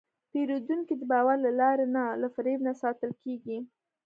پیرودونکی د باور له لارې نه، له فریب نه ساتل کېږي.